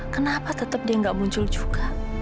kenapa tetap dia nggak muncul juga